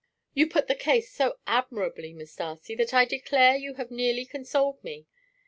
"You put the case so admirably, Miss Darcy, that I declare you have nearly consoled me.